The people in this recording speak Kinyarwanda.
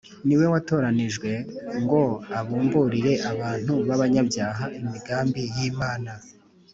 ni we watoranijwe ngo abumburire abantu b’abanyabyaha imigambi y’Imana